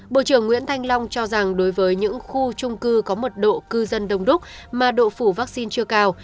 bộ trưởng nguyễn thanh long cho rằng đối với những khu trung cư có mật độ cư dân đông đúc mà độ phủ vaccine chưa cao